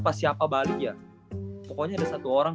pas siapa bali ya pokoknya ada satu orang